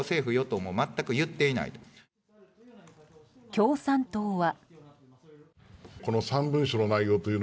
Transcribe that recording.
共産党は。